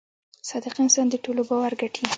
• صادق انسان د ټولو باور ګټي.